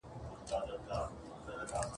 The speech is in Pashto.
رسنۍ حقیقت څرګندوي.